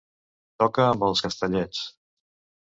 Toca amb els Castellets.